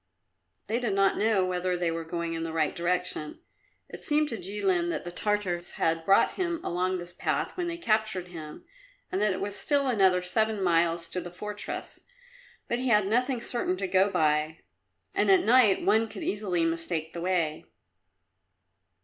They did not know whether they were going in the right direction. It seemed to Jilin that the Tartars had brought him along this path when they captured him and that it was still another seven miles to the fortress, but he had nothing certain to go by, and at night one could easily mistake the way.